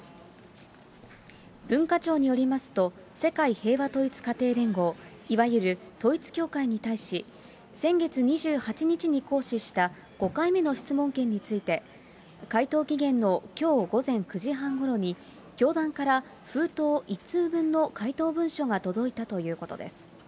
文化庁によりますと、世界平和統一家庭連合、いわゆる統一教会に対し、先月２８日に行使した５回目の質問権について、回答期限のきょう午前９時半ごろに、教団から封筒１通分の回答文書が届いたということです。